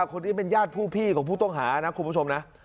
คนนี้เป็นญาติผู้พี่ของผู้ต้องหานะคุณผู้ชมนะ